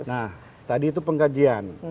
nah tadi itu pengkajian